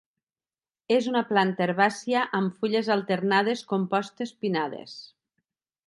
És una planta herbàcia amb fulles alternades compostes pinnades.